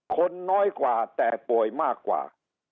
คนน้อยกว่าแต่ป่วยมากกว่า